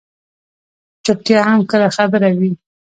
چُپتیا هم کله خبره وي.